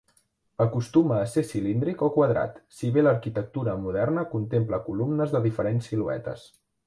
Acostuma a ser cilíndric o quadrat, si bé l'arquitectura moderna contempla columnes de diferents siluetes.